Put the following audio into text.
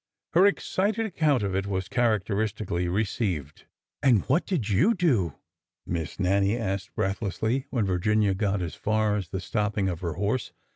Her excited account of it was characteristically re ceived. "And what did you do?'' Miss Nannie asked breath lessly, when Virginia got as far as the stopping of her horse.